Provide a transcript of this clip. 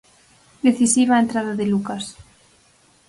Decisiva a entrada de Lucas.